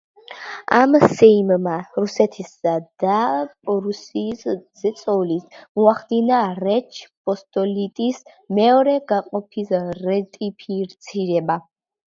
ამ სეიმმა, რუსეთისა და პრუსიის ზეწოლით, მოახდინა რეჩ პოსპოლიტის მეორე გაყოფის რატიფიცირება.